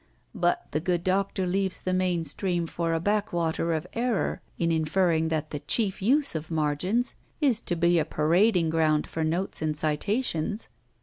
_" But the good Doctor leaves the main stream for a backwater of error in inferring that the chief use of margins is to be a parading ground for notes and citations.